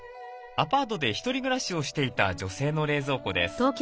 アパートで１人暮らしをしていた女性の冷蔵庫です。